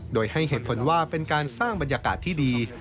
โดยให้เหตุผลว่าเป็นการสร้างบรรยากาศที่ดี